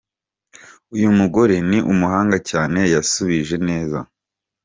uyu mugore ni umuhanga cyane !! yasubije neza !.